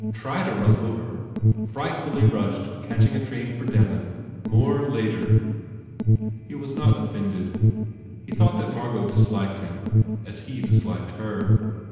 Try to run over. Frightfully rushed catching a train for Devon. More later." He was not offended. He thought that Margot disliked him as he dis liked her.